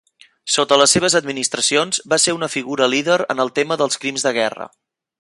Sota les seves administracions, va ser una figura líder en el tema dels crims de guerra.